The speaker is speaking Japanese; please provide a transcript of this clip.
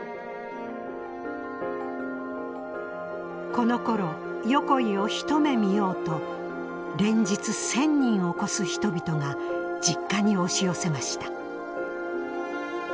このころ横井を一目見ようと連日１，０００人を超す人々が実家に押し寄せました。